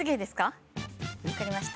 わかりました。